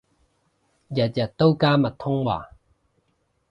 日日都加密通話